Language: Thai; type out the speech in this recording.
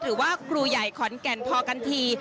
หรือว่าครูใหญ่ขอนแก่นพอกันที